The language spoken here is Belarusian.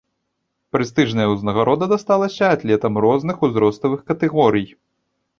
Прэстыжная ўзнагарода дасталася атлетам розных узроставых катэгорый.